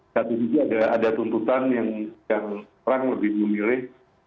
satu sisi ada tuntutan yang orang lebih memilih